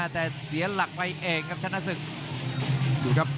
แต่เสียหลักไปเองครับชนะสึก